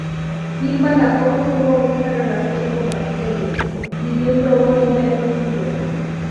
Irma tampoco tuvo mucha relación con Bacterio, si bien probó inventos suyos.